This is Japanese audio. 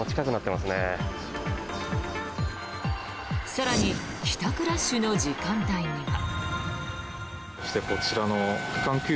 更に帰宅ラッシュの時間帯には。